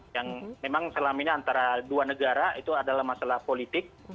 yang memang selama ini antara dua negara itu adalah masalah politik